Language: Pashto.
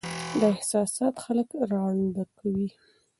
دا احساسات خلک ړانده کوي.